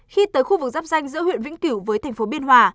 khi tới khu vực giáp danh giữa huyện vĩnh cửu với thành phố biên hòa